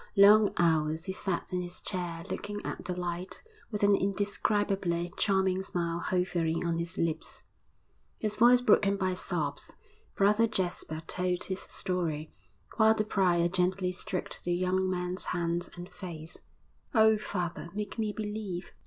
Long hours he sat in his chair looking at the light with an indescribably charming smile hovering on his lips. His voice broken by sobs, Brother Jasper told his story, while the prior gently stroked the young man's hands and face. 'Oh, father, make me believe!'